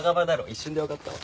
一瞬でわかったわ。